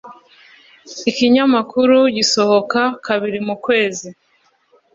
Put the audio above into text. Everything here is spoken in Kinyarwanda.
Ikinyamakuru gisohoka kabiri mu kwezi.